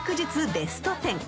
ベスト１０］